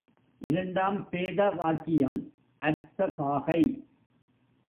இரண்டாம் பேத வாக்கியம் அர்த்த பாகை.